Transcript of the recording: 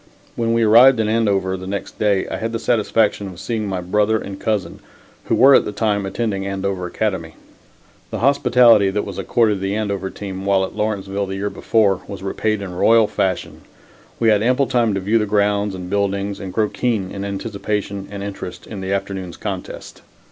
When we arrived in Andover the next day I had the satisfaction of seeing my brother and cousin, who were at that time attending Andover Academy. The hospitality that was accorded the Andover team, while at Lawrenceville the year before, was repaid in royal fashion. We had ample time to view the grounds and buildings and grow keen in anticipation and interest in the afternoon's contest.